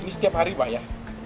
ini setiap hari pak ya